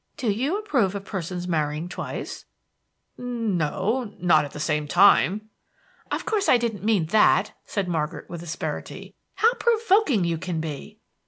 Do you approve of persons marrying twice?" "N o, not at the same time." "Of course I didn't mean that," said Margaret, with asperity. "How provoking you can be!"